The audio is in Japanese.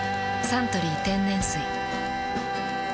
「サントリー天然水」